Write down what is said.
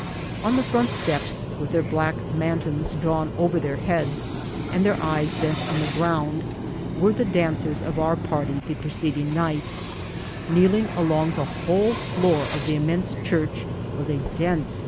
On the front steps, with their black mantons drawn over their heads, and their eyes bent on the ground, were the dan cers of our party the preceding night ; kneeling along the whob floor of the immense phurch was a dense ▲ COCK riOHT.